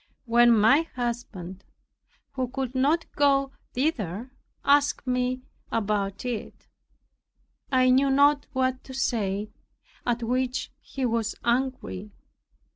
When my husband, who could not go thither, asked me about it, I knew not what to say, at which he was angry.